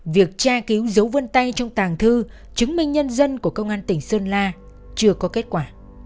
việc tra cứu dấu vân tay trong tàng thư chứng minh nhân dân của công an tỉnh sơn la chưa có kết quả